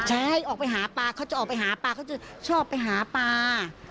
ใช่ออกไปหาปลาเขาจะออกไปหาปลาเขาจะชอบไปหาปลา